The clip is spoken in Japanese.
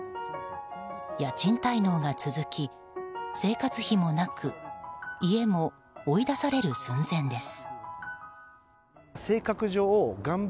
家賃滞納が続き、生活費もなく家も追い出される寸前です。